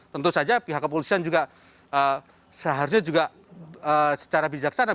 tentu saja pihak kepolisian juga seharusnya juga secara bijaksana